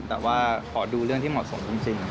แต่ว่าขอดูเรื่องที่เหมาะสมจริง